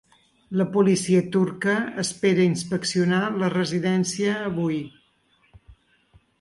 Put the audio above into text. La policia turca espera inspeccionar la residència avui.